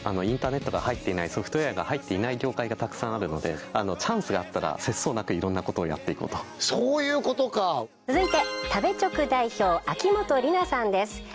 インターネットソフトウエアが入っていない業界がたくさんあるのでチャンスがあったら節操なくいろんなことをやっていこうとそういうことかあ続いて食べチョク代表秋元里奈さんです